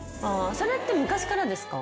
それって昔からですか？